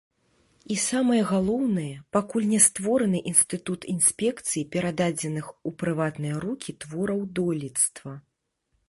І самае галоўнае, пакуль не створаны інстытут інспекцыі перададзеных у прыватныя рукі твораў дойлідства.